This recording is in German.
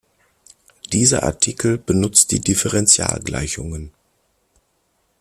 Dieser Artikel benutzt die Differentialgleichungen.